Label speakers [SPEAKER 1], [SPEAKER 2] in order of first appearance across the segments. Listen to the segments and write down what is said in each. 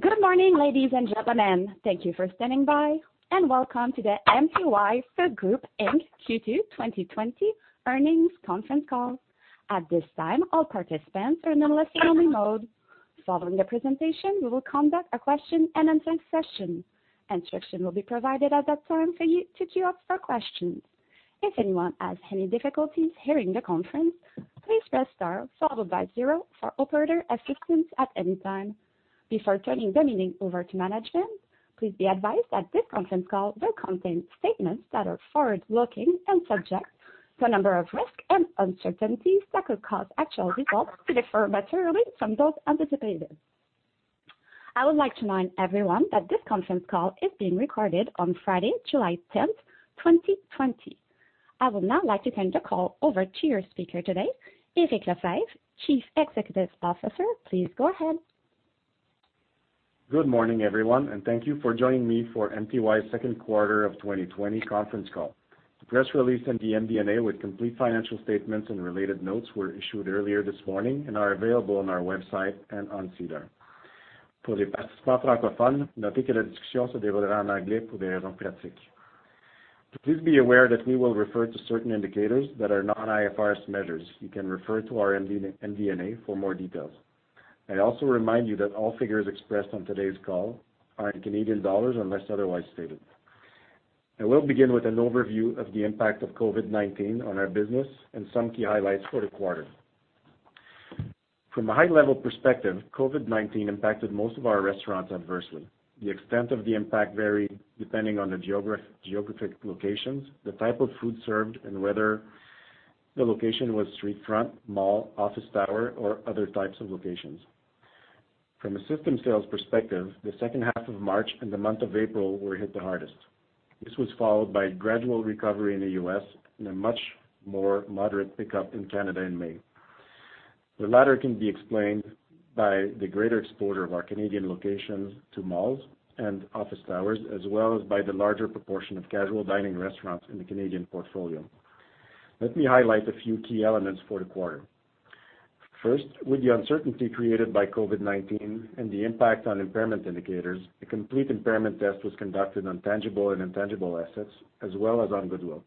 [SPEAKER 1] Good morning, ladies and gentlemen. Thank you for standing by, and welcome to the MTY Food Group Inc., Q2 2020 earnings conference call. At this time, all participants are in a listen-only mode. Following the presentation, we will conduct a question and answer session. Instruction will be provided at that time for you to queue up for questions. If anyone has any difficulties hearing the conference, please press star followed by zero for operator assistance at any time. Before turning the meeting over to management, please be advised that this conference call will contain statements that are forward-looking and subject to a number of risks and uncertainties that could cause actual results to differ materially from those anticipated. I would like to remind everyone that this conference call is being recorded on Friday, July 10th, 2020. I would now like to turn the call over to your speaker today, Eric Lefebvre, Chief Executive Officer. Please go ahead.
[SPEAKER 2] Good morning, everyone, and thank you for joining me for MTY's second quarter of 2020 conference call. The press release and the MD&A with complete financial statements and related notes were issued earlier this morning and are available on our website and on SEDAR. Please be aware that we will refer to certain indicators that are non-IFRS measures. You can refer to our MD&A for more details. I also remind you that all figures expressed on today's call are in Canadian dollars, unless otherwise stated. I will begin with an overview of the impact of COVID-19 on our business and some key highlights for the quarter. From a high-level perspective, COVID-19 impacted most of our restaurants adversely. The extent of the impact varied depending on the geographic locations, the type of food served, and whether the location was street front, mall, office tower, or other types of locations. From a system sales perspective, the second half of March and the month of April were hit the hardest. This was followed by a gradual recovery in the U.S. and a much more moderate pickup in Canada in May. The latter can be explained by the greater exposure of our Canadian locations to malls and office towers, as well as by the larger proportion of casual dining restaurants in the Canadian portfolio. Let me highlight a few key elements for the quarter. With the uncertainty created by COVID-19 and the impact on impairment indicators, a complete impairment test was conducted on tangible and intangible assets, as well as on goodwill.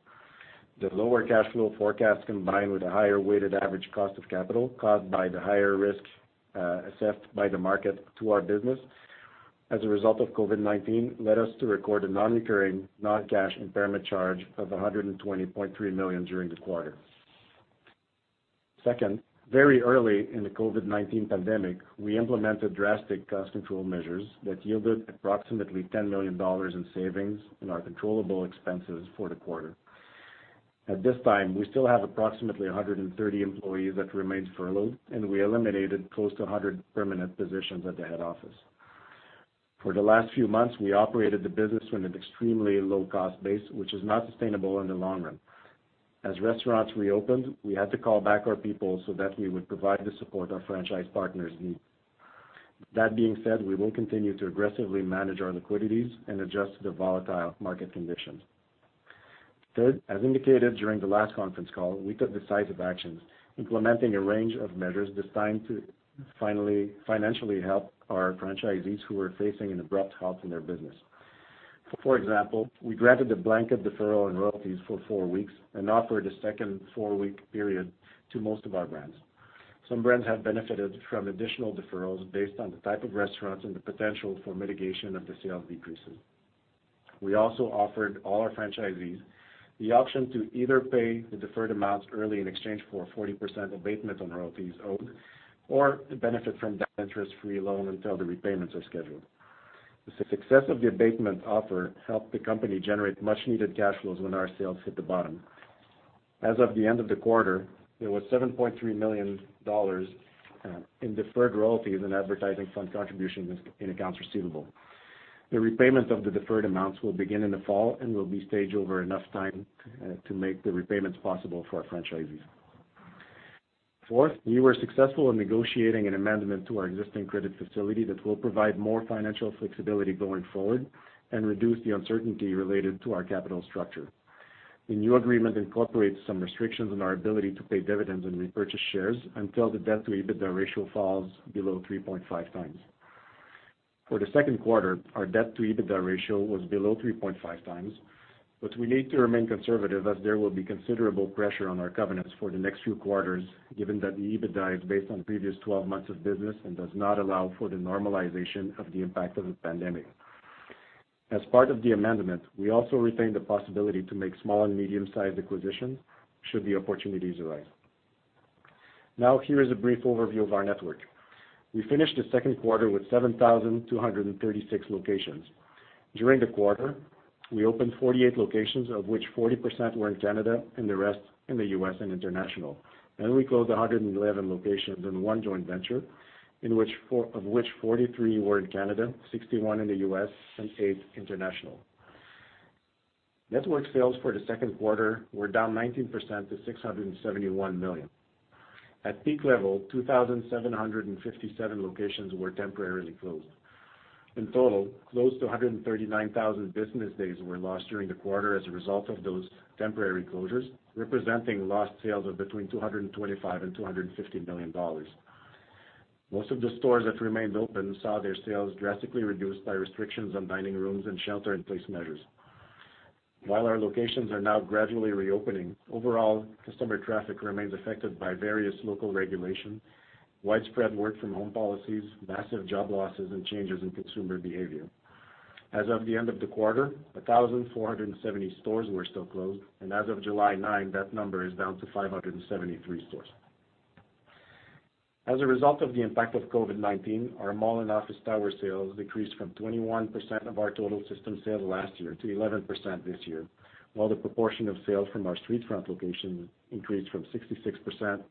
[SPEAKER 2] The lower cash flow forecast combined with a higher weighted average cost of capital caused by the higher risk assessed by the market to our business as a result of COVID-19 led us to record a non-recurring non-cash impairment charge of 120.3 million during the quarter. Second, very early in the COVID-19 pandemic, we implemented drastic cost control measures that yielded approximately 10 million dollars in savings in our controllable expenses for the quarter. At this time, we still have approximately 130 employees that remain furloughed, and we eliminated close to 100 permanent positions at the head office. For the last few months, we operated the business from an extremely low-cost base, which is not sustainable in the long run. As restaurants reopened, we had to call back our people so that we would provide the support our franchise partners need. That being said, we will continue to aggressively manage our liquidities and adjust to the volatile market conditions. Third, as indicated during the last conference call, we took decisive actions, implementing a range of measures designed to financially help our franchisees who were facing an abrupt halt in their business. For example, we granted a blanket deferral on royalties for four weeks and offered a second four-week period to most of our brands. Some brands have benefited from additional deferrals based on the type of restaurants and the potential for mitigation of the sales decreases. We also offered all our franchisees the option to either pay the deferred amounts early in exchange for a 40% abatement on royalties owed or to benefit from that interest-free loan until the repayments are scheduled. The success of the abatement offer helped the company generate much-needed cash flows when our sales hit the bottom. As of the end of the quarter, there was 7.3 million dollars in deferred royalties and advertising fund contributions in accounts receivable. The repayment of the deferred amounts will begin in the fall and will be staged over enough time to make the repayments possible for our franchisees. Fourth, we were successful in negotiating an amendment to our existing credit facility that will provide more financial flexibility going forward and reduce the uncertainty related to our capital structure. The new agreement incorporates some restrictions on our ability to pay dividends and repurchase shares until the debt to EBITDA ratio falls below 3.5x. For the second quarter, our debt to EBITDA ratio was below 3.5x, but we need to remain conservative as there will be considerable pressure on our covenants for the next few quarters, given that the EBITDA is based on the previous 12 months of business and does not allow for the normalization of the impact of the pandemic. As part of the amendment, we also retained the possibility to make small and medium-sized acquisitions should the opportunities arise. Here is a brief overview of our network. We finished the second quarter with 7,236 locations. During the quarter, we opened 48 locations, of which 40% were in Canada and the rest in the U.S. and international. We closed 111 locations in one joint venture, of which 43 were in Canada, 61 in the U.S., and eight international. Network sales for the second quarter were down 19% to 671 million. At peak level, 2,757 locations were temporarily closed. In total, close to 139,000 business days were lost during the quarter as a result of those temporary closures, representing lost sales of between 225 million and 250 million dollars. Most of the stores that remained open saw their sales drastically reduced by restrictions on dining rooms and shelter-in-place measures. While our locations are now gradually reopening, overall customer traffic remains affected by various local regulations, widespread work-from-home policies, massive job losses, and changes in consumer behavior. As of the end of the quarter, 1,470 stores were still closed, and as of July 9, that number is down to 573 stores. As a result of the impact of COVID-19, our mall and office tower sales decreased from 21% of our total system sales last year to 11% this year, while the proportion of sales from our street-front locations increased from 66%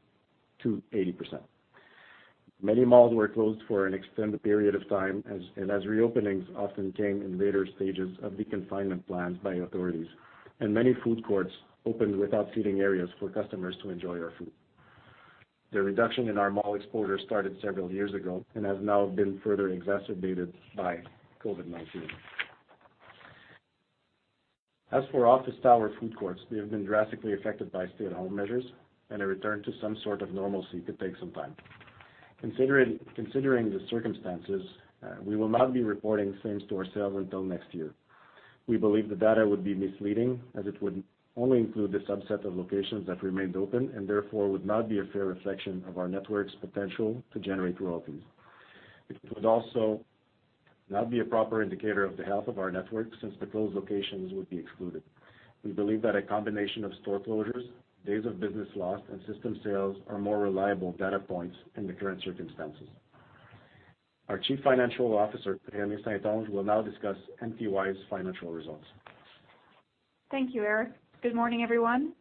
[SPEAKER 2] to 80%. Many malls were closed for an extended period of time, and as reopenings often came in later stages of the confinement plans by authorities, and many food courts opened without seating areas for customers to enjoy our food. The reduction in our mall exposure started several years ago and has now been further exacerbated by COVID-19. As for office tower food courts, they have been drastically affected by stay-at-home measures, and a return to some sort of normalcy could take some time. Considering the circumstances, we will not be reporting same-store sales until next year. We believe the data would be misleading, as it would only include the subset of locations that remained open and therefore would not be a fair reflection of our network's potential to generate royalties. It would also not be a proper indicator of the health of our network since the closed locations would be excluded. We believe that a combination of store closures, days of business lost, and system sales are more reliable data points in the current circumstances. Our Chief Financial Officer, Renée St-Onge, will now discuss MTY's financial results.
[SPEAKER 3] Thank you, Eric. Good morning, everyone.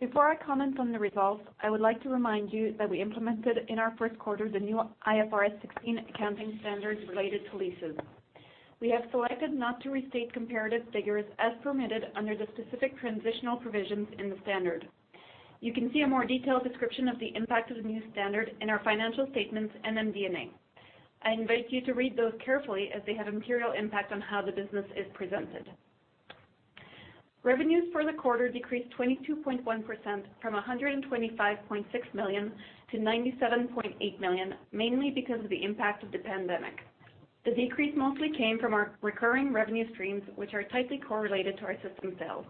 [SPEAKER 3] Before I comment on the results, I would like to remind you that we implemented in our first quarter the new IFRS 16 accounting standards related to leases. We have selected not to restate comparative figures as permitted under the specific transitional provisions in the standard. You can see a more detailed description of the impact of the new standard in our financial statements and MD&A. I invite you to read those carefully as they have a material impact on how the business is presented. Revenues for the quarter decreased 22.1%, from 125.6 million to 97.8 million, mainly because of the impact of the pandemic. The decrease mostly came from our recurring revenue streams, which are tightly correlated to our system sales.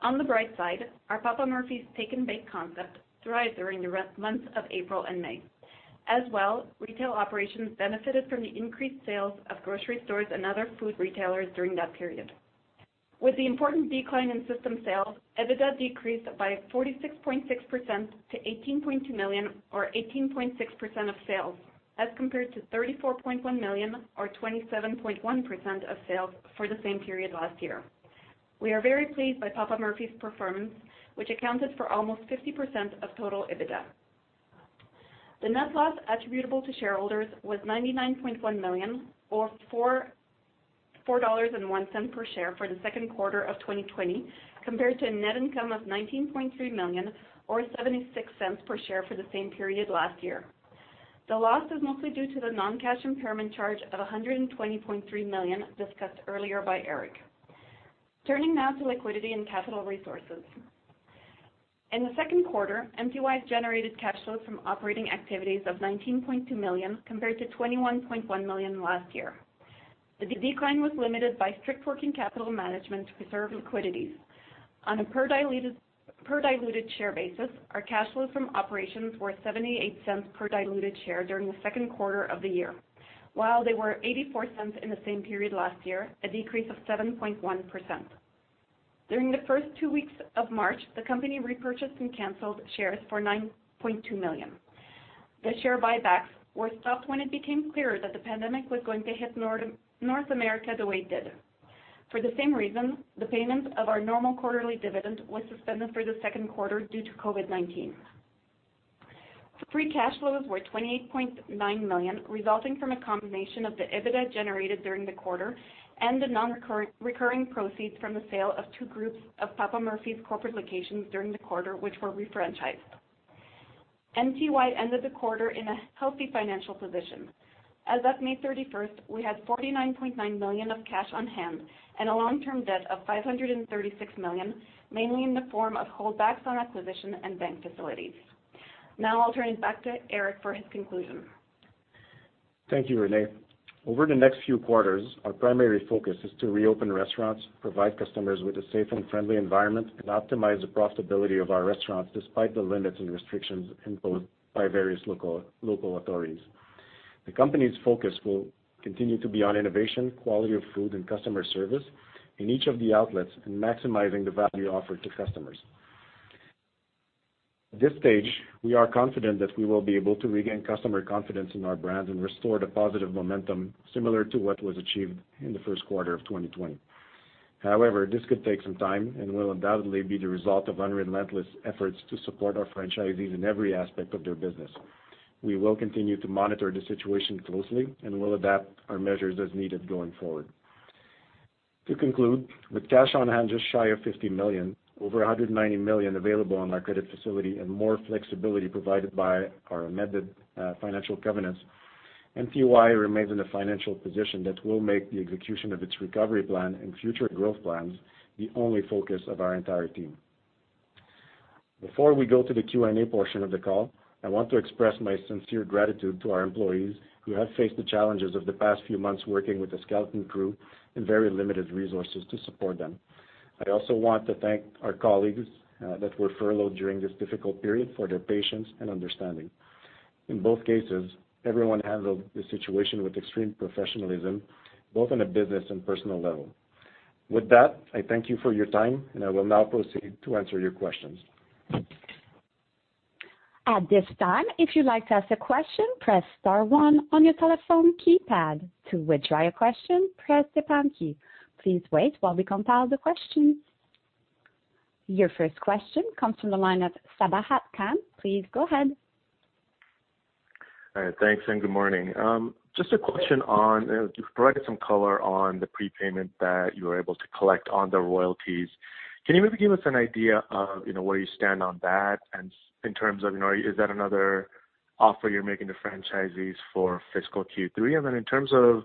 [SPEAKER 3] On the bright side, our Papa Murphy's take-and-bake concept thrived during the months of April and May. As well, retail operations benefited from the increased sales of grocery stores and other food retailers during that period. With the important decline in system sales, EBITDA decreased by 46.6% to 18.2 million or 18.6% of sales as compared to 34.1 million or 27.1% of sales for the same period last year. We are very pleased by Papa Murphy's performance, which accounted for almost 50% of total EBITDA. The net loss attributable to shareholders was 99.1 million or 4.01 dollars per share for the second quarter of 2020, compared to a net income of 19.3 million or 0.76 per share for the same period last year. The loss is mostly due to the non-cash impairment charge of 120.3 million discussed earlier by Eric. Turning now to liquidity and capital resources. In the second quarter, MTY generated cash flows from operating activities of 19.2 million compared to 21.1 million last year. The decline was limited by strict working capital management to preserve liquidities. On a per diluted share basis, our cash flows from operations were 0.78 per diluted share during the second quarter of the year. While they were 0.84 in the same period last year, a decrease of 7.1%. During the first two weeks of March, the company repurchased and canceled shares for 9.2 million. The share buybacks were stopped when it became clearer that the pandemic was going to hit North America the way it did. For the same reason, the payment of our normal quarterly dividend was suspended for the second quarter due to COVID-19. Free cash flows were 28.9 million, resulting from a combination of the EBITDA generated during the quarter and the non-recurring proceeds from the sale of two groups of Papa Murphy's corporate locations during the quarter, which were re-franchised. MTY ended the quarter in a healthy financial position. As of May 31st, we had 49.9 million of cash on hand and a long-term debt of 536 million, mainly in the form of holdbacks on acquisition and bank facilities. Now I'll turn it back to Eric for his conclusion.
[SPEAKER 2] Thank you, Renée. Over the next few quarters, our primary focus is to reopen restaurants, provide customers with a safe and friendly environment, and optimize the profitability of our restaurants despite the limits and restrictions imposed by various local authorities. The company's focus will continue to be on innovation, quality of food, and customer service in each of the outlets, and maximizing the value offered to customers. At this stage, we are confident that we will be able to regain customer confidence in our brand and restore the positive momentum similar to what was achieved in the first quarter of 2020. However, this could take some time and will undoubtedly be the result of unrelenting efforts to support our franchisees in every aspect of their business. We will continue to monitor the situation closely and will adapt our measures as needed going forward. To conclude, with cash on hand just shy of 50 million, over 190 million available on our credit facility, and more flexibility provided by our amended financial covenants, MTY remains in a financial position that will make the execution of its recovery plan and future growth plans the only focus of our entire team. Before we go to the Q&A portion of the call, I want to express my sincere gratitude to our employees who have faced the challenges of the past few months working with a skeleton crew and very limited resources to support them. I also want to thank our colleagues that were furloughed during this difficult period for their patience and understanding. In both cases, everyone handled the situation with extreme professionalism, both on a business and personal level. With that, I thank you for your time, and I will now proceed to answer your questions.
[SPEAKER 1] At this time, if you'd like to ask a question, press star one on your telephone keypad. To withdraw your question, press the pound key. Please wait while we compile the questions. Your first question comes from the line of Sabahat Khan. Please go ahead.
[SPEAKER 4] All right. Thanks, and good morning. Just a question on, you've provided some color on the prepayment that you were able to collect on the royalties. Can you maybe give us an idea of where you stand on that and in terms of is that another offer you're making to franchisees for fiscal Q3? In terms of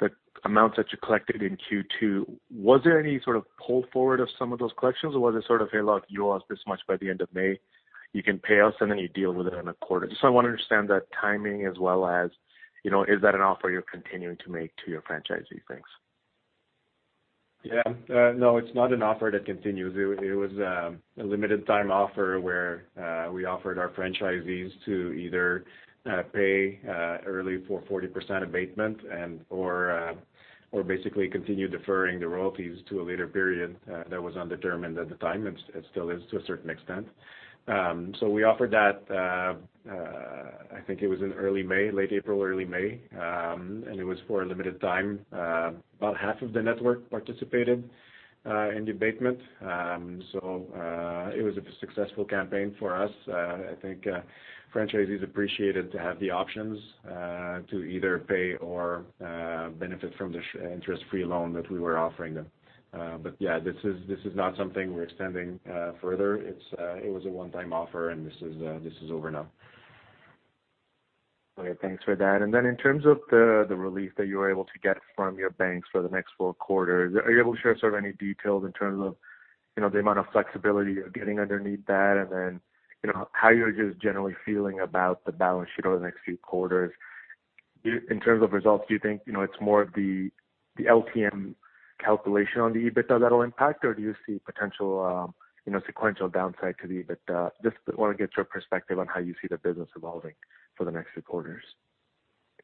[SPEAKER 4] the amounts that you collected in Q2, was there any sort of pull forward of some of those collections, or was it sort of, "Hey, look, you owe us this much by the end of May, you can pay us and then you deal with it in a quarter." I want to understand that timing as well as, is that an offer you're continuing to make to your franchisee? Thanks.
[SPEAKER 2] No, it's not an offer that continues. It was a limited time offer where we offered our franchisees to either pay early for 40% abatement and/or basically continue deferring the royalties to a later period that was undetermined at the time, and it still is to a certain extent. We offered that, I think it was in late April, early May, and it was for a limited time. About half of the network participated in the abatement. It was a successful campaign for us. I think franchisees appreciated to have the options to either pay or benefit from the interest-free loan that we were offering them. Yeah, this is not something we're extending further. It was a one-time offer, this is over now.
[SPEAKER 4] Okay, thanks for that. In terms of the relief that you were able to get from your banks for the next four quarters, are you able to share sort of any details in terms of the amount of flexibility you're getting underneath that? How you're just generally feeling about the balance sheet over the next few quarters? In terms of results, do you think it's more of the LTM calculation on the EBITDA that'll impact, or do you see potential sequential downside to the EBITDA? Just want to get your perspective on how you see the business evolving for the next few quarters.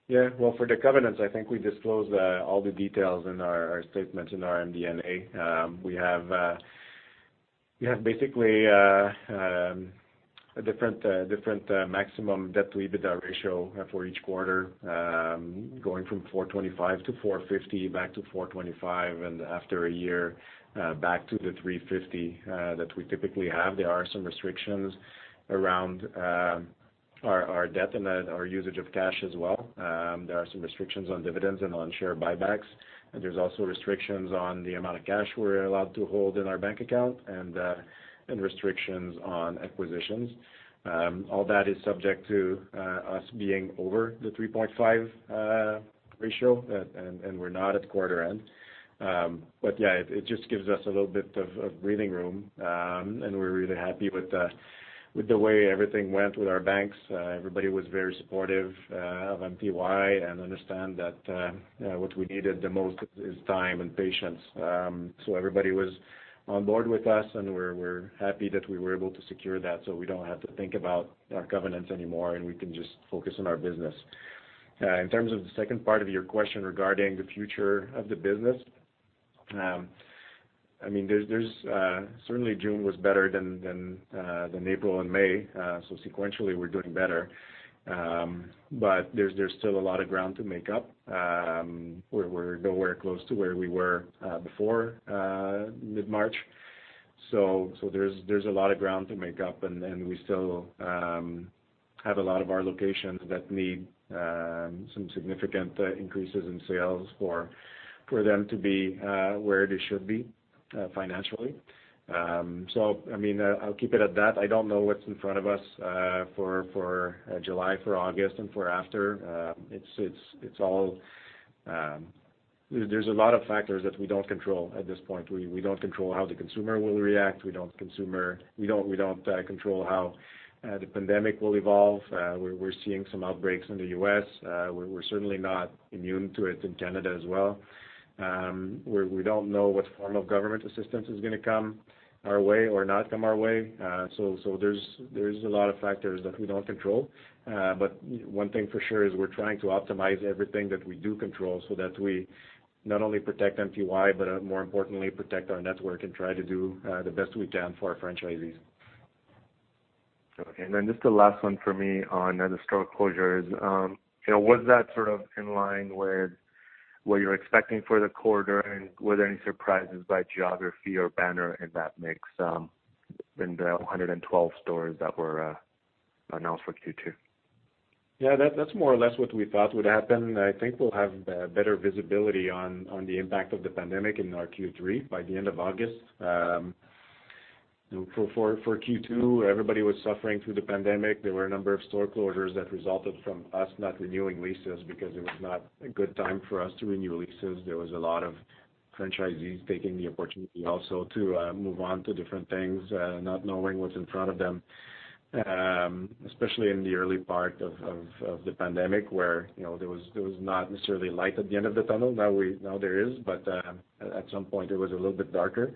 [SPEAKER 2] Yeah. Well, for the covenants, I think we disclosed all the details in our statements in our MD&A. We have basically a different maximum debt-to-EBITDA ratio for each quarter, going from 4.25 to 4.50 back to 4.25, and after a year, back to the 3.50 that we typically have. There are some restrictions around our debt and our usage of cash as well. There are some restrictions on dividends and on share buybacks, and there's also restrictions on the amount of cash we're allowed to hold in our bank account and restrictions on acquisitions. All that is subject to us being over the 3.5 ratio, and we're not at quarter end. Yeah, it just gives us a little bit of breathing room, and we're really happy with the way everything went with our banks. Everybody was very supportive of MTY and understand that what we needed the most is time and patience. Everybody was on board with us, and we're happy that we were able to secure that so we don't have to think about our covenants anymore, and we can just focus on our business. In terms of the second part of your question regarding the future of the business, certainly June was better than April and May. Sequentially, we're doing better. There's still a lot of ground to make up. We're nowhere close to where we were before mid-March. There's a lot of ground to make up, and we still have a lot of our locations that need some significant increases in sales for them to be where they should be financially. I'll keep it at that. I don't know what's in front of us for July, for August, and for after. There's a lot of factors that we don't control at this point. We don't control how the consumer will react. We don't control how the pandemic will evolve. We're seeing some outbreaks in the U.S. We're certainly not immune to it in Canada as well. We don't know what form of government assistance is going to come our way or not come our way. There's a lot of factors that we don't control. One thing for sure is we're trying to optimize everything that we do control so that we not only protect MTY, but more importantly, protect our network and try to do the best we can for our franchisees.
[SPEAKER 4] Okay, just the last one for me on the store closures. Was that sort of in line with what you're expecting for the quarter, were there any surprises by geography or banner in that mix in the 112 stores that were announced for Q2?
[SPEAKER 2] Yeah, that's more or less what we thought would happen. I think we'll have better visibility on the impact of the pandemic in our Q3, by the end of August. For Q2, everybody was suffering through the pandemic. There were a number of store closures that resulted from us not renewing leases because it was not a good time for us to renew leases. There was a lot of franchisees taking the opportunity also to move on to different things, not knowing what's in front of them, especially in the early part of the pandemic where there was not necessarily light at the end of the tunnel. Now there is, but at some point it was a little bit darker.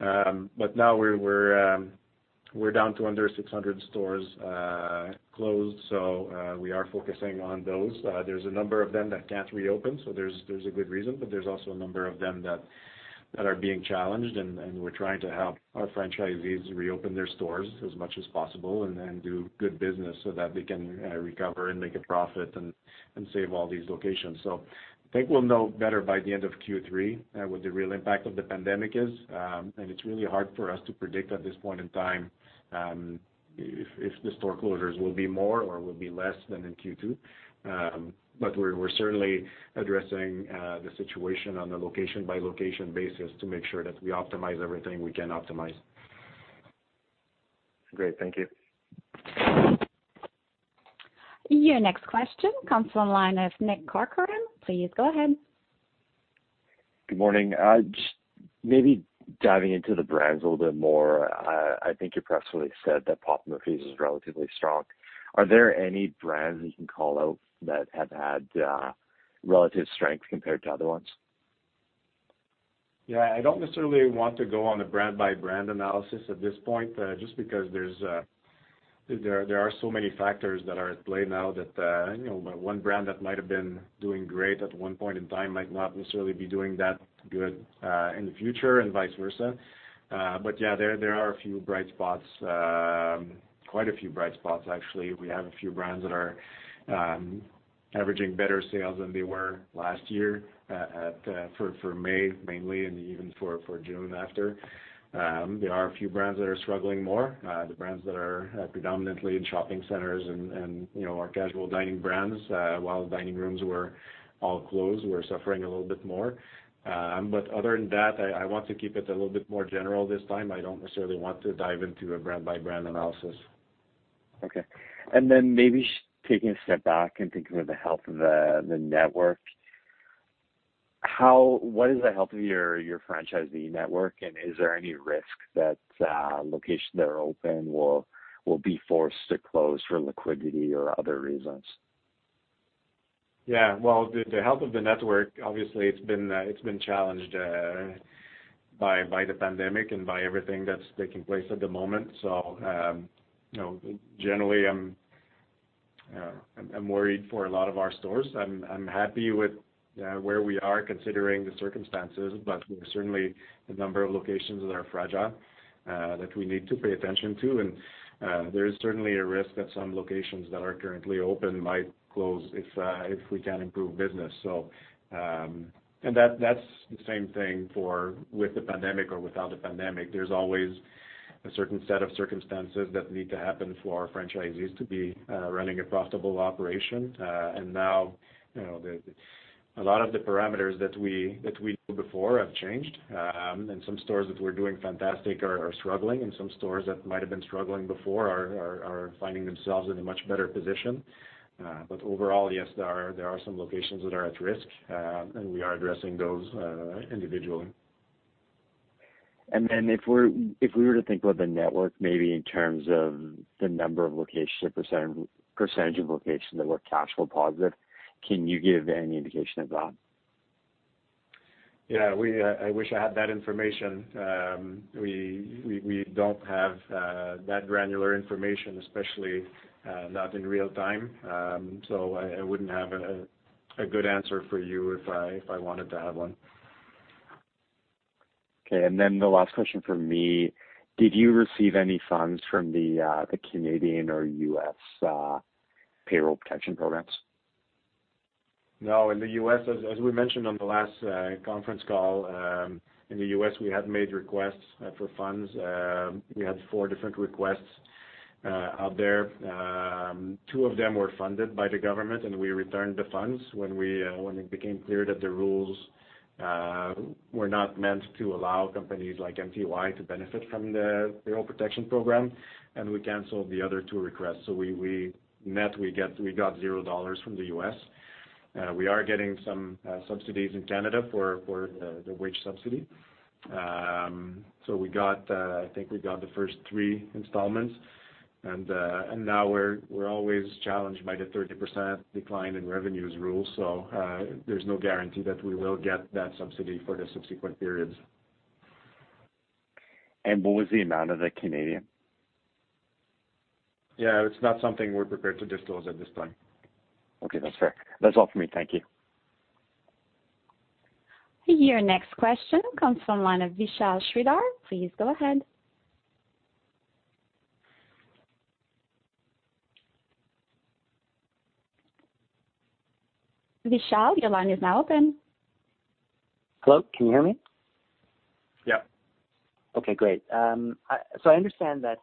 [SPEAKER 2] Now we're down to under 600 stores closed. We are focusing on those. There's a number of them that can't reopen, so there's a good reason. There's also a number of them that are being challenged, and we're trying to help our franchisees reopen their stores as much as possible, and then do good business so that they can recover and make a profit, and save all these locations. I think we'll know better by the end of Q3 what the real impact of the pandemic is. It's really hard for us to predict at this point in time if the store closures will be more or will be less than in Q2. We're certainly addressing the situation on a location-by-location basis to make sure that we optimize everything we can optimize.
[SPEAKER 4] Great. Thank you.
[SPEAKER 1] Your next question comes from the line of Nick Corcoran. Please go ahead.
[SPEAKER 5] Good morning. Just maybe diving into the brands a little bit more. I think your press release said that Potbelly is relatively strong. Are there any brands that you can call out that have had relative strength compared to other ones?
[SPEAKER 2] Yeah, I don't necessarily want to go on a brand-by-brand analysis at this point, just because there are so many factors that are at play now that one brand that might have been doing great at one point in time might not necessarily be doing that good in the future and vice versa. Yeah, there are a few bright spots. Quite a few bright spots, actually. We have a few brands that are averaging better sales than they were last year for May, mainly, and even for June after. There are a few brands that are struggling more, the brands that are predominantly in shopping centers and our casual dining brands while the dining rooms were all closed, were suffering a little bit more. Other than that, I want to keep it a little bit more general this time. I don't necessarily want to dive into a brand-by-brand analysis.
[SPEAKER 5] Okay. Maybe taking a step back and thinking of the health of the network. What is the health of your franchisee network, and is there any risk that locations that are open will be forced to close for liquidity or other reasons?
[SPEAKER 2] Yeah. Well, the health of the network, obviously, it's been challenged by the pandemic and by everything that's taking place at the moment. Generally, I'm worried for a lot of our stores. I'm happy with where we are, considering the circumstances. There's certainly a number of locations that are fragile, that we need to pay attention to. There is certainly a risk that some locations that are currently open might close if we can't improve business. That's the same thing with the pandemic or without the pandemic. There's always a certain set of circumstances that need to happen for our franchisees to be running a profitable operation. Now, a lot of the parameters that we knew before have changed. Some stores that were doing fantastic are struggling, and some stores that might have been struggling before are finding themselves in a much better position. Overall, yes, there are some locations that are at risk, and we are addressing those individually.
[SPEAKER 5] If we were to think about the network, maybe in terms of the number of locations or percentage of locations that were cash flow positive, can you give any indication of that?
[SPEAKER 2] Yeah, I wish I had that information. We don't have that granular information, especially not in real time. I wouldn't have a good answer for you if I wanted to have one.
[SPEAKER 5] Okay, the last question from me, did you receive any funds from the Canadian or U.S. Payroll Protection Programs?
[SPEAKER 2] No. As we mentioned on the last conference call, in the U.S. we had made requests for funds. We had four different requests out there. Two of them were funded by the government. We returned the funds when it became clear that the rules were not meant to allow companies like MTY to benefit from the Payroll Protection Program. We canceled the other two requests. Net, we got zero dollar from the U.S. We are getting some subsidies in Canada for the wage subsidy. I think we got the first three installments, and now we're always challenged by the 30% decline in revenues rule. There's no guarantee that we will get that subsidy for the subsequent periods.
[SPEAKER 5] What was the amount of the Canadian?
[SPEAKER 2] Yeah, it's not something we're prepared to disclose at this time.
[SPEAKER 5] Okay, that's fair. That's all for me. Thank you.
[SPEAKER 1] Your next question comes from the line of Vishal Shreedhar. Please go ahead. Vishal, your line is now open.
[SPEAKER 6] Hello, can you hear me?
[SPEAKER 2] Yeah.
[SPEAKER 6] Okay, great. I understand that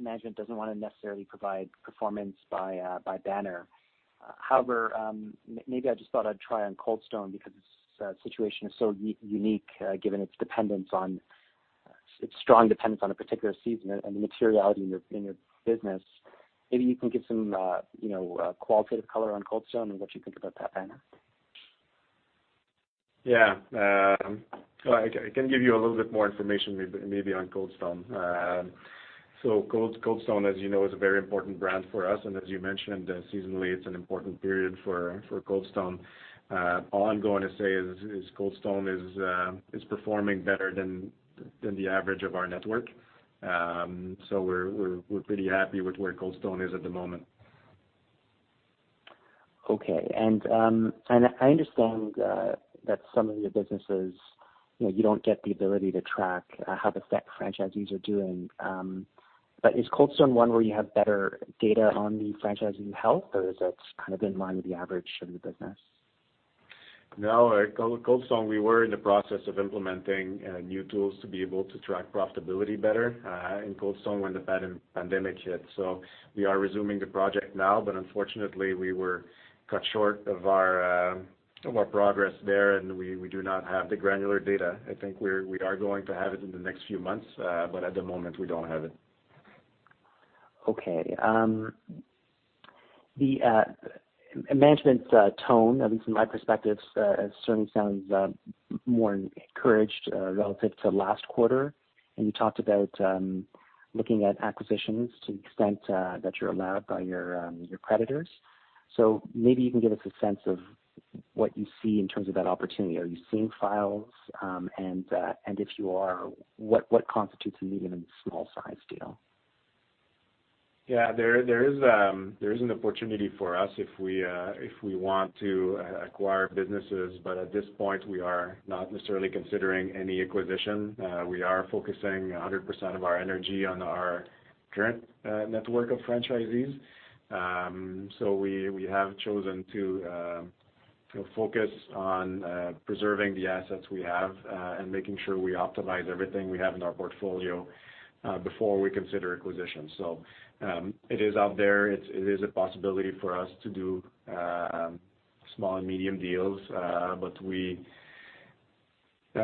[SPEAKER 6] management doesn't want to necessarily provide performance by banner. However, maybe I just thought I'd try on Cold Stone because the situation is so unique, given its strong dependence on a particular season and the materiality in your business. Maybe you can give some qualitative color on Cold Stone and what you think about that banner.
[SPEAKER 2] Yeah. I can give you a little bit more information, maybe, on Cold Stone. Cold Stone, as you know, is a very important brand for us. As you mentioned, seasonally, it's an important period for Cold Stone. All I'm going to say is, Cold Stone is performing better than the average of our network. We're pretty happy with where Cold Stone is at the moment.
[SPEAKER 6] Okay. I understand that some of your businesses, you don't get the ability to track how the franchisees are doing. Is Cold Stone one where you have better data on the franchisee health, or is that kind of in line with the average of the business?
[SPEAKER 2] No, Cold Stone, we were in the process of implementing new tools to be able to track profitability better in Cold Stone when the pandemic hit. We are resuming the project now, but unfortunately, we were cut short of our progress there, and we do not have the granular data. I think we are going to have it in the next few months, but at the moment, we don't have it.
[SPEAKER 6] Okay. The management tone, at least from my perspective, certainly sounds more encouraged relative to last quarter. You talked about looking at acquisitions to the extent that you're allowed by your creditors. Maybe you can give us a sense of what you see in terms of that opportunity. Are you seeing files? If you are, what constitutes a medium, small size deal?
[SPEAKER 2] Yeah, there is an opportunity for us if we want to acquire businesses, but at this point, we are not necessarily considering any acquisition. We are focusing 100% of our energy on our current network of franchisees. We have chosen to focus on preserving the assets we have and making sure we optimize everything we have in our portfolio before we consider acquisition. It is out there. It is a possibility for us to do small and medium deals.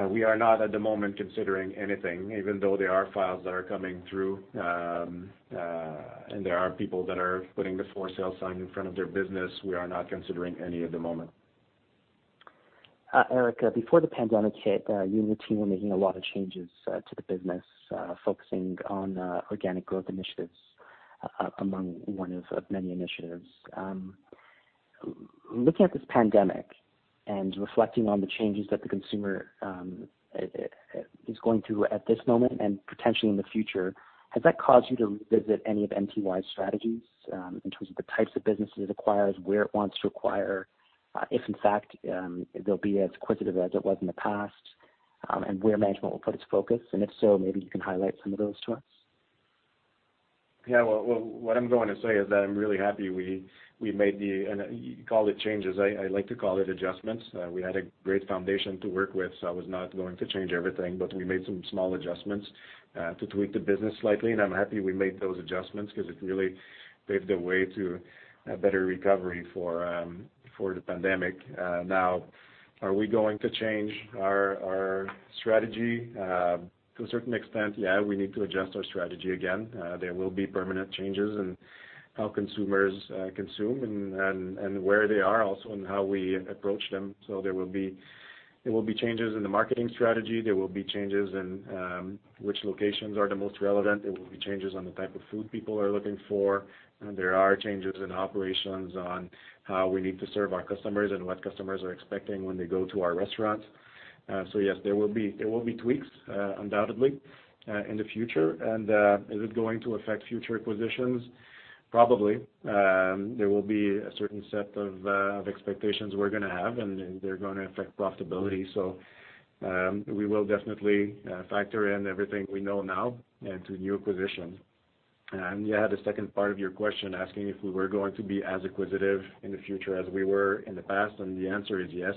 [SPEAKER 2] We are not at the moment considering anything, even though there are files that are coming through, and there are people that are putting the for sale sign in front of their business, we are not considering any at the moment.
[SPEAKER 6] Eric, before the pandemic hit, your team were making a lot of changes to the business, focusing on organic growth initiatives among one of many initiatives. Looking at this pandemic and reflecting on the changes that the consumer is going through at this moment and potentially in the future, has that caused you to revisit any of MTY's strategies in terms of the types of businesses it acquires, where it wants to acquire, if in fact, they'll be as acquisitive as it was in the past, and where management will put its focus? If so, maybe you can highlight some of those to us.
[SPEAKER 2] Yeah. What I'm going to say is that I'm really happy we made the, and you call it changes, I like to call it adjustments. We had a great foundation to work with, so I was not going to change everything, but we made some small adjustments to tweak the business slightly, and I'm happy we made those adjustments because it really paved the way to a better recovery for the pandemic. Are we going to change our strategy? To a certain extent, yeah, we need to adjust our strategy again. There will be permanent changes in how consumers consume and where they are also and how we approach them. There will be changes in the marketing strategy. There will be changes in which locations are the most relevant. There will be changes on the type of food people are looking for. There are changes in operations on how we need to serve our customers and what customers are expecting when they go to our restaurants. Yes, there will be tweaks, undoubtedly, in the future. Is it going to affect future acquisitions? Probably. There will be a certain set of expectations we're going to have, and they're going to affect profitability. We will definitely factor in everything we know now into new acquisition. Yeah, the second part of your question asking if we were going to be as acquisitive in the future as we were in the past. The answer is yes.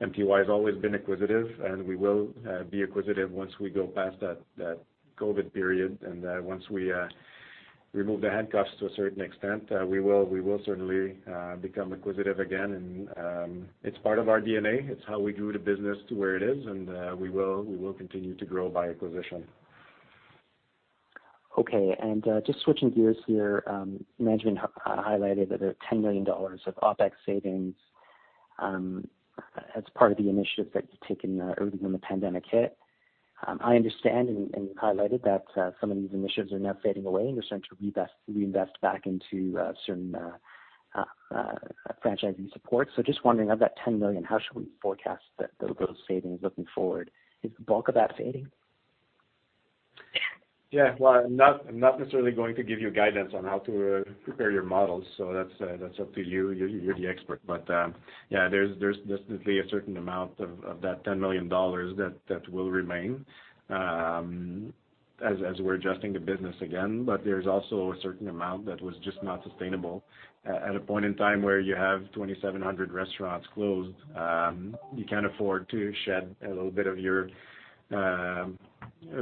[SPEAKER 2] MTY has always been acquisitive. We will be acquisitive once we go past that COVID-19 period. Once we remove the handcuffs to a certain extent, we will certainly become acquisitive again. It's part of our DNA. It's how we grew the business to where it is, and we will continue to grow by acquisition.
[SPEAKER 6] Okay. Just switching gears here, management highlighted that there are 10 million dollars of OpEx savings as part of the initiatives that you've taken early when the pandemic hit. I understand and you highlighted that some of these initiatives are now fading away and are starting to reinvest back into certain franchisee support. Just wondering, of that 10 million, how should we forecast those savings looking forward? Is the bulk of that fading?
[SPEAKER 2] Yeah. Well, I'm not necessarily going to give you guidance on how to prepare your models, so that's up to you. You're the expert. Yeah, there's definitely a certain amount of that 10 million dollars that will remain as we're adjusting the business again, but there's also a certain amount that was just not sustainable. At a point in time where you have 2,700 restaurants closed, you can afford to shed a little bit of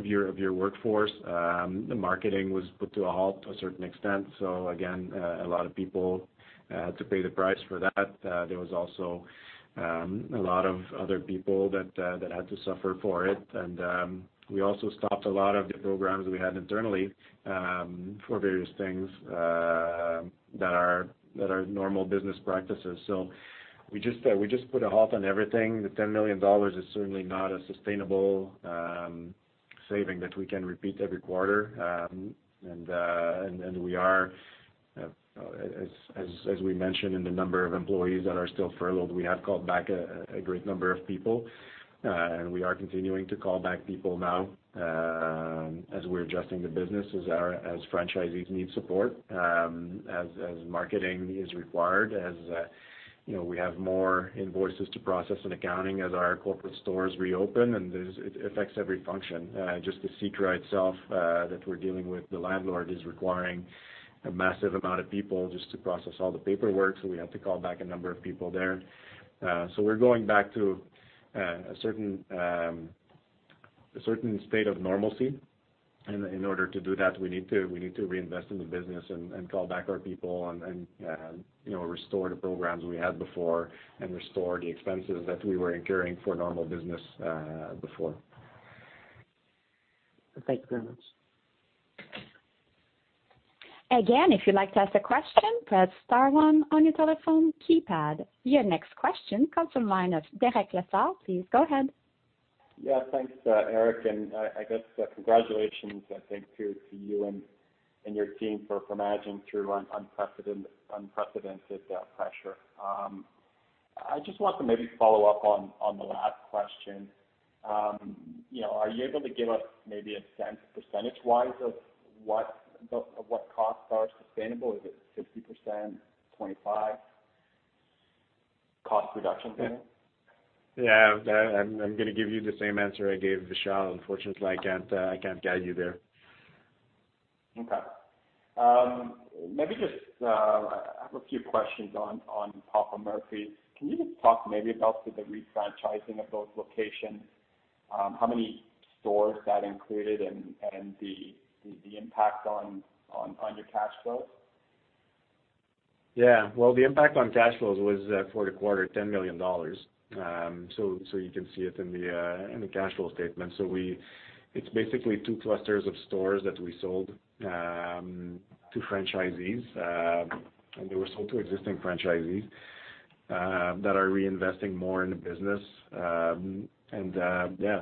[SPEAKER 2] your workforce. The marketing was put to a halt to a certain extent, so again, a lot of people had to pay the price for that. There was also a lot of other people that had to suffer for it. We also stopped a lot of the programs we had internally for various things that are normal business practices. We just put a halt on everything. The 10 million dollars is certainly not a sustainable saving that we can repeat every quarter. As we mentioned in the number of employees that are still furloughed, we have called back a great number of people, and we are continuing to call back people now as we're adjusting the business, as franchisees need support, as marketing is required, as we have more invoices to process in accounting, as our corporate stores reopen, and it affects every function. Just the CCAA itself that we're dealing with, the landlord is requiring a massive amount of people just to process all the paperwork, so we have to call back a number of people there. We're going back to a certain state of normalcy and in order to do that, we need to reinvest in the business and call back our people and restore the programs we had before and restore the expenses that we were incurring for normal business before.
[SPEAKER 6] Thank you very much.
[SPEAKER 1] Again, if you'd like to ask a question, press star one on your telephone keypad. Your next question comes from the line of Derek Lessard. Please go ahead.
[SPEAKER 7] Yeah. Thanks, Eric. I guess congratulations, I think, to you and your team for managing through unprecedented pressure. I just want to maybe follow up on the last question. Are you able to give us maybe a sense percentage-wise of what costs are sustainable? Is it 60%, 25% cost reduction there?
[SPEAKER 2] Yeah. I'm going to give you the same answer I gave Vishal. Unfortunately, I can't guide you there.
[SPEAKER 7] Okay. I have a few questions on Papa Murphy's. Can you just talk maybe about the refranchising of those locations, how many stores that included, and the impact on your cash flows?
[SPEAKER 2] Yeah. Well, the impact on cash flows was for the quarter, 10 million dollars. You can see it in the cash flow statement. It's basically two clusters of stores that we sold to franchisees. They were sold to existing franchisees that are reinvesting more in the business. Yeah,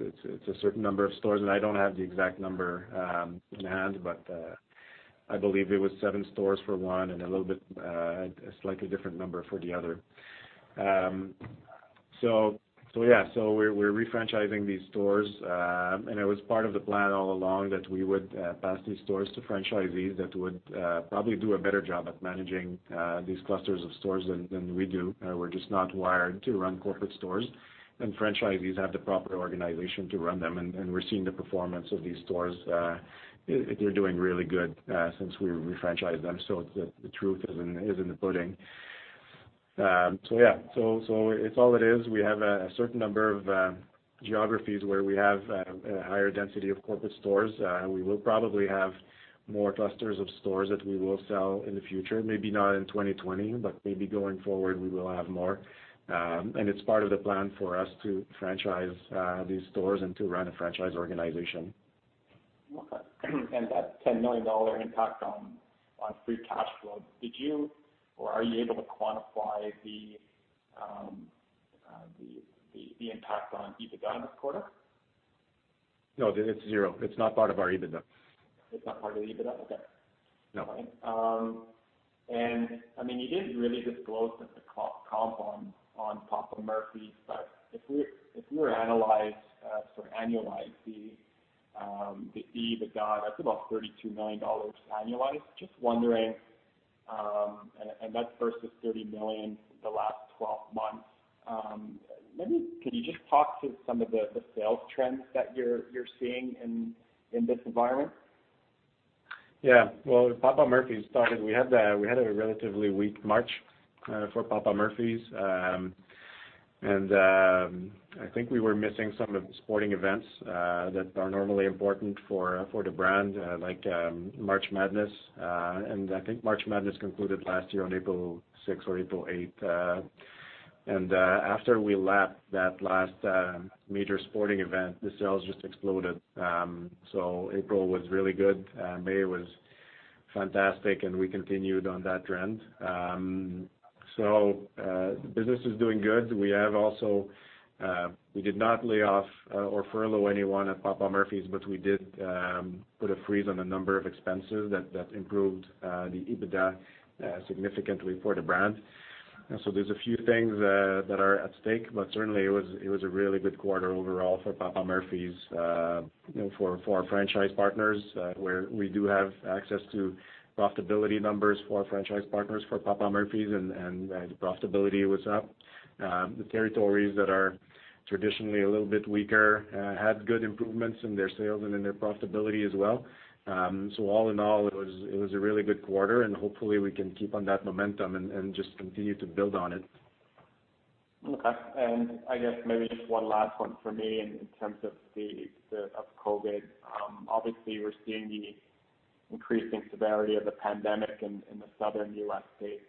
[SPEAKER 2] it's a certain number of stores. I don't have the exact number in hand, but I believe it was seven stores for one and a slightly different number for the other. Yeah, we're refranchising these stores. It was part of the plan all along that we would pass these stores to franchisees that would probably do a better job at managing these clusters of stores than we do. We're just not wired to run corporate stores. Franchisees have the proper organization to run them. We're seeing the performance of these stores. They're doing really good since we refranchised them. The truth is in the pudding. Yeah. It's all it is. We have a certain number of geographies where we have a higher density of corporate stores. We will probably have more clusters of stores that we will sell in the future. Maybe not in 2020, but maybe going forward, we will have more. It's part of the plan for us to franchise these stores and to run a franchise organization.
[SPEAKER 7] Okay. That 10 million dollar impact on free cash flow, did you, or are you able to quantify the impact on EBITDA this quarter?
[SPEAKER 2] No, it's zero. It's not part of our EBITDA.
[SPEAKER 7] It's not part of EBITDA? Okay.
[SPEAKER 2] No.
[SPEAKER 7] You didn't really disclose the comp on Papa Murphy's. If we were to annualize the EBITDA, that's about 32 million dollars annualized. Just wondering. That's versus 30 million the last 12 months. Could you just talk to some of the sales trends that you're seeing in this environment?
[SPEAKER 2] Well, Papa Murphy's started, we had a relatively weak March for Papa Murphy's. I think we were missing some of the sporting events that are normally important for the brand, like March Madness, and I think March Madness concluded last year on April 6th or April 8th. After we lapped that last major sporting event, the sales just exploded. April was really good. May was fantastic, and we continued on that trend. The business is doing good. We did not lay off or furlough anyone at Papa Murphy's, but we did put a freeze on a number of expenses that improved the EBITDA significantly for the brand. There's a few things that are at stake, but certainly it was a really good quarter overall for Papa Murphy's, for our franchise partners, where we do have access to profitability numbers for our franchise partners for Papa Murphy's, and the profitability was up. The territories that are traditionally a little bit weaker had good improvements in their sales and in their profitability as well. All in all, it was a really good quarter, and hopefully we can keep on that momentum and just continue to build on it.
[SPEAKER 7] Okay. I guess maybe just one last one from me in terms of COVID. Obviously, we're seeing the increasing severity of the pandemic in the Southern U.S. states.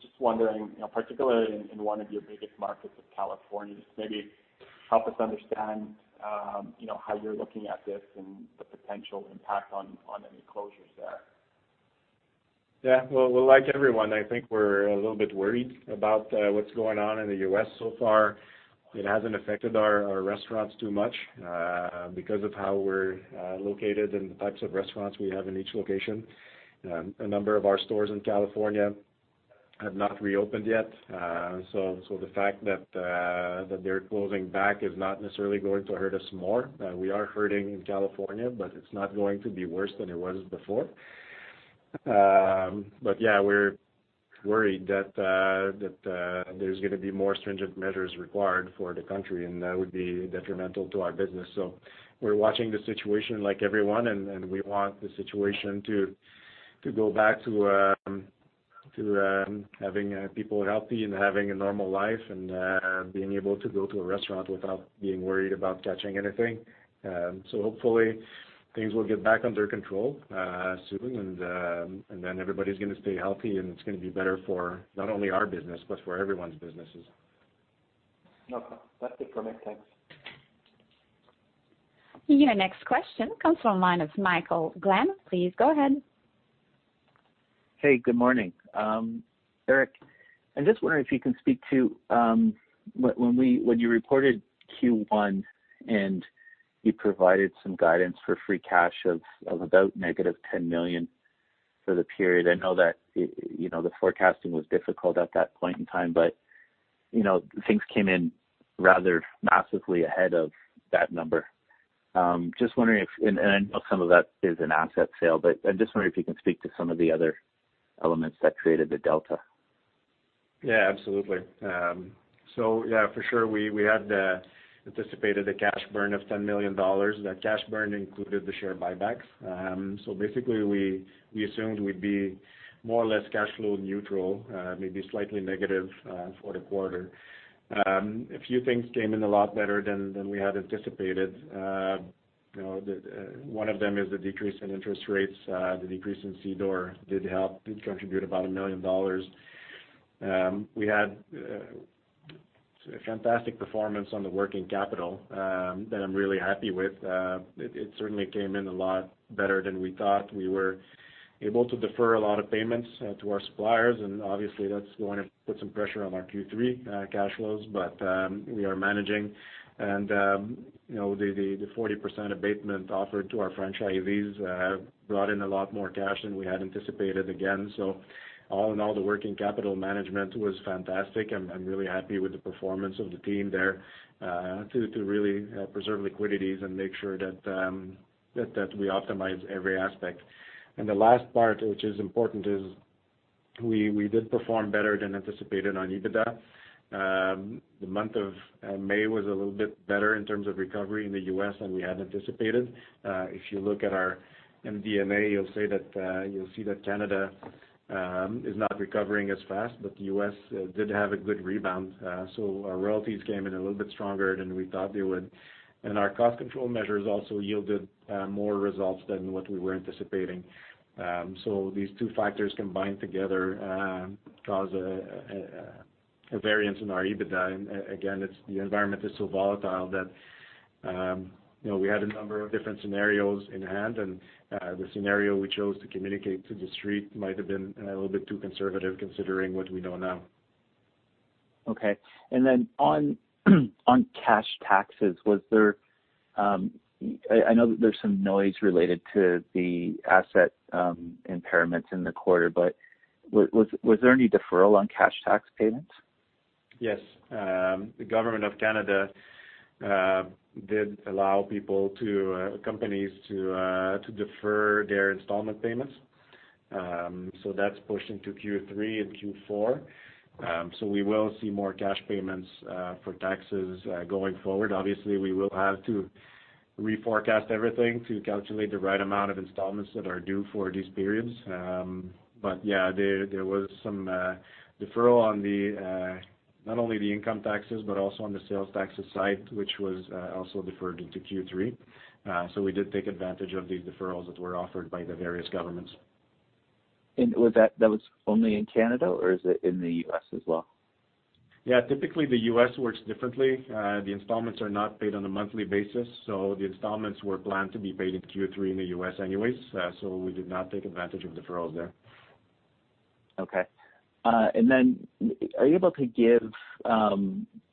[SPEAKER 7] Just wondering, particularly in one of your biggest markets of California, just maybe help us understand how you're looking at this and the potential impact on any closures there.
[SPEAKER 2] Yeah. Well, like everyone, I think we're a little bit worried about what's going on in the U.S. So far, it hasn't affected our restaurants too much because of how we're located and the types of restaurants we have in each location. A number of our stores in California have not reopened yet. The fact that they're closing back is not necessarily going to hurt us more. We are hurting in California, but it's not going to be worse than it was before. Yeah, we're worried that there's going to be more stringent measures required for the country, and that would be detrimental to our business. We're watching the situation like everyone, and we want the situation to go back to having people healthy and having a normal life and being able to go to a restaurant without being worried about catching anything. Hopefully, things will get back under control soon, and then everybody's going to stay healthy, and it's going to be better for not only our business, but for everyone's businesses.
[SPEAKER 7] Okay. That's it for me. Thanks.
[SPEAKER 1] Your next question comes from the line of Michael Glenn. Please go ahead.
[SPEAKER 8] Hey, good morning. Eric, I am just wondering if you can speak to when you reported Q1, and you provided some guidance for free cash of about -10 million for the period. I know that the forecasting was difficult at that point in time, but things came in rather massively ahead of that number. I know some of that is an asset sale, but I just wonder if you can speak to some of the other elements that created the delta.
[SPEAKER 2] Yeah, absolutely. Yeah, for sure, we had anticipated a cash burn of 10 million dollars. That cash burn included the share buybacks. Basically, we assumed we'd be more or less cash flow neutral, maybe slightly negative, for the quarter. A few things came in a lot better than we had anticipated. One of them is the decrease in interest rates. The decrease in CDOR did help. It contributed about 1 million dollars. We had a fantastic performance on the working capital that I'm really happy with. It certainly came in a lot better than we thought. We were able to defer a lot of payments to our suppliers, and obviously that's going to put some pressure on our Q3 cash flows, but we are managing. The 40% abatement offered to our franchisees brought in a lot more cash than we had anticipated again. All in all, the working capital management was fantastic, and I'm really happy with the performance of the team there to really preserve liquidities and make sure that we optimize every aspect. The last part, which is important, is we did perform better than anticipated on EBITDA. The month of May was a little bit better in terms of recovery in the U.S. than we had anticipated. If you look at our MD&A, you'll see that Canada is not recovering as fast, but the U.S. did have a good rebound. Our royalties came in a little bit stronger than we thought they would. Our cost control measures also yielded more results than what we were anticipating. These two factors combined together caused a variance in our EBITDA, and again, the environment is so volatile that we had a number of different scenarios in hand, and the scenario we chose to communicate to The Street might have been a little bit too conservative considering what we know now.
[SPEAKER 8] Okay. On cash taxes, I know that there's some noise related to the asset impairments in the quarter, but was there any deferral on cash tax payments?
[SPEAKER 2] Yes. The Government of Canada did allow companies to defer their installment payments. That's pushed into Q3 and Q4. We will see more cash payments for taxes going forward. Obviously, we will have to reforecast everything to calculate the right amount of installments that are due for these periods. Yeah, there was some deferral on not only the income taxes, but also on the sales taxes side, which was also deferred into Q3. We did take advantage of the deferrals that were offered by the various governments.
[SPEAKER 8] That was only in Canada, or is it in the U.S. as well?
[SPEAKER 2] Yeah. Typically, the U.S. works differently. The installments are not paid on a monthly basis, so the installments were planned to be paid in Q3 in the U.S. anyways. We did not take advantage of deferrals there.
[SPEAKER 8] Okay.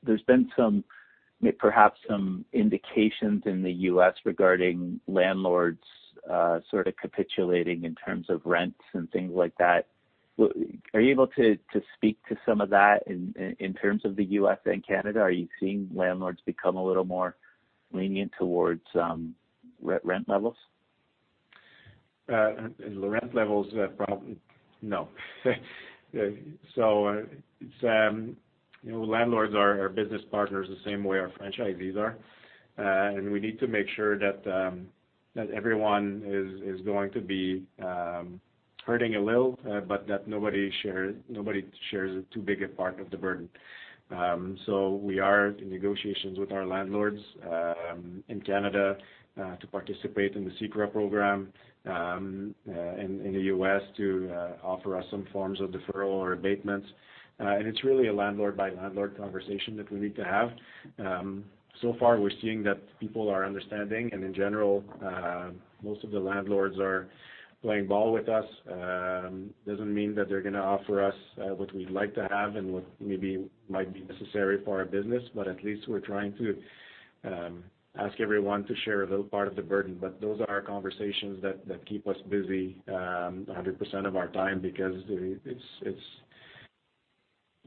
[SPEAKER 8] There's been some indications in the U.S. regarding landlords sort of capitulating in terms of rents and things like that. Are you able to speak to some of that in terms of the U.S. and Canada? Are you seeing landlords become a little more lenient towards rent levels?
[SPEAKER 2] The rent levels, probably no. Landlords are our business partners the same way our franchisees are. We need to make sure that everyone is going to be hurting a little, but that nobody shares too big a part of the burden. We are in negotiations with our landlords in Canada to participate in the CECRA program, in the U.S. to offer us some forms of deferral or abatements, and it's really a landlord-by-landlord conversation that we need to have. So far, we're seeing that people are understanding, and in general, most of the landlords are playing ball with us. Doesn't mean that they're going to offer us what we'd like to have and what maybe might be necessary for our business, but at least we're trying to ask everyone to share a little part of the burden. Those are conversations that keep us busy 100% of our time because it's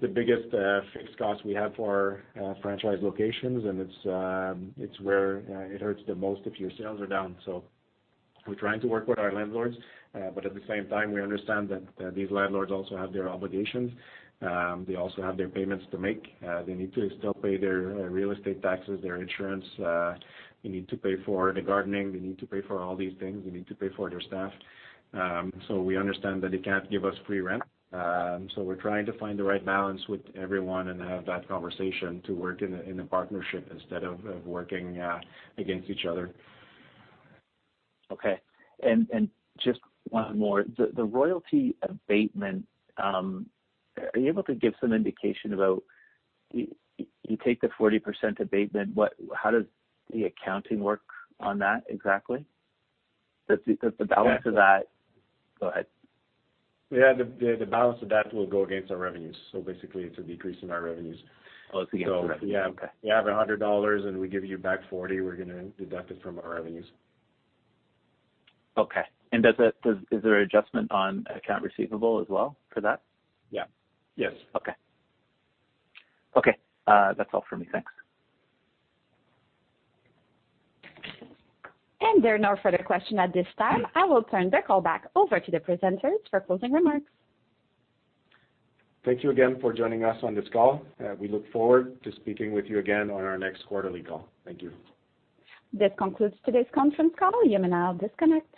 [SPEAKER 2] the biggest fixed cost we have for our franchise locations and it's where it hurts the most if your sales are down. We're trying to work with our landlords. At the same time, we understand that these landlords also have their obligations. They also have their payments to make. They need to still pay their real estate taxes, their insurance. They need to pay for the gardening. They need to pay for all these things. They need to pay for their staff. We understand that they can't give us free rent. We're trying to find the right balance with everyone and have that conversation to work in a partnership instead of working against each other.
[SPEAKER 8] Okay. Just one more. The royalty abatement, are you able to give some indication? You take the 40% abatement. How does the accounting work on that exactly? Does the balance of that? Go ahead.
[SPEAKER 2] Yeah. The balance of that will go against our revenues. Basically, it's a decrease in our revenues.
[SPEAKER 8] Oh, it's against the revenue. Okay.
[SPEAKER 2] If you have 100 dollars and we give you back 40, we're going to deduct it from our revenues.
[SPEAKER 8] Okay. Is there an adjustment on account receivable as well for that?
[SPEAKER 2] Yeah. Yes.
[SPEAKER 8] Okay. That's all for me. Thanks.
[SPEAKER 1] There are no further question at this time. I will turn the call back over to the presenters for closing remarks.
[SPEAKER 2] Thank you again for joining us on this call. We look forward to speaking with you again on our next quarterly call. Thank you.
[SPEAKER 1] This concludes today's conference call. You may now disconnect.